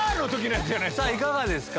さぁいかがですか？